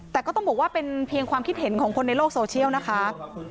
แต่ก็ต้องบอกว่าเป็นเพียงความคิดเห็นของคนในโลกโซเชียลนะคะ